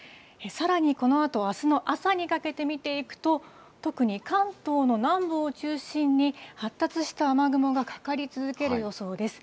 さらにこのあと、あすの朝にかけて見ていくと、特に関東の南部を中心に発達した雨雲がかかり続ける予想です。